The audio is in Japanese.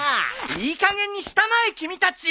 いいかげんにしたまえ君たち。